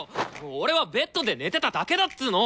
俺はベッドで寝てただけだっつの！